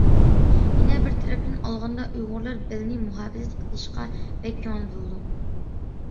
يەنە بىر تەرەپتىن ئالغاندا، ئۇيغۇرلار بەلنى مۇھاپىزەت قىلىشقا بەك كۆڭۈل بۆلىدۇ.